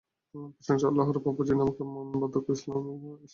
প্রশংসা আল্লাহরই প্রাপ্য, যিনি আমাকে আমার বার্ধক্যে ইসমাঈল ও ইসহাককে দান করেছেন।